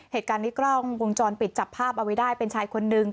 เหตุการณ์นี้กล้องวงจรปิดจับภาพเอาไว้ได้เป็นชายคนนึง